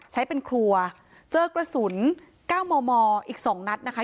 ใช้เป็นครัวเจอกระสุน๙มมอีก๒นัดนะคะ